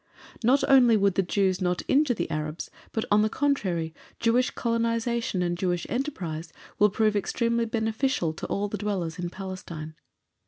Not only would the Jews not injure the Arabs, but, on the contrary, Jewish colonization and Jewish enterprise will prove extremely beneficial to all the dwellers in Palestine.